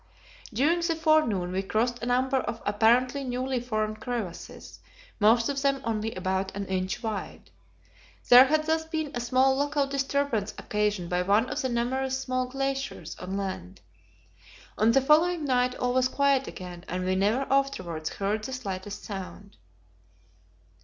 During the forenoon we crossed a number of apparently newly formed crevasses; most of them only about an inch wide. There had thus been a small local disturbance occasioned by one of the numerous small glaciers on land. On the following night all was quiet again, and we never afterwards heard the slightest sound.